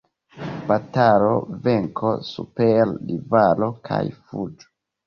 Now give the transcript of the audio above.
Batalo, venko super rivalo kaj fuĝo.